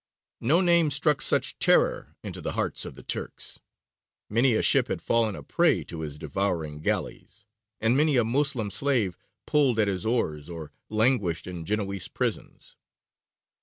No name struck such terror into the hearts of the Turks; many a ship had fallen a prey to his devouring galleys, and many a Moslem slave pulled at his oars or languished in Genoese prisons.